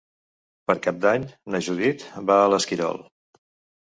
Per Cap d'Any na Judit va a l'Esquirol.